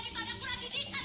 kamu gak pernah didik sama abi